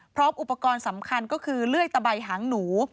พร้อมอุปกรณ์สำคัญก็คือเลื่อยตะใบหางหนู